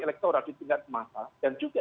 elektoral di tingkat massa dan juga